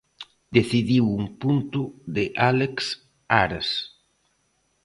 Decidiu un punto de Álex Ares.